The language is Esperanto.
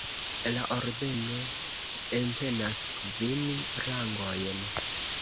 La ordeno entenas kvin rangojn.